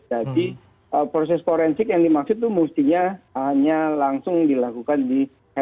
jadi proses forensik yang dimaksud itu mestinya hanya langsung dilakukan di handphone